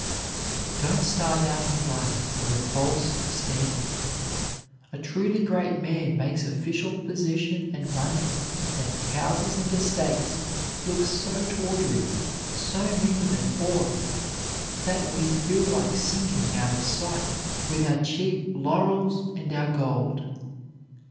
Don't start out in life with a false standard; a truly great man makes official position and money and houses and estates look so tawdry, so mean and poor, that we feel like sinking out of sight with our cheap laurels and our gold.